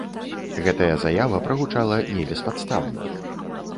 Гэтая заява прагучала не беспадстаўна.